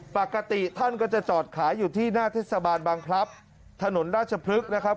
ปกติท่านก็จะจอดขายอยู่ที่หน้าเทศบาลบางพลับถนนราชพฤกษ์นะครับ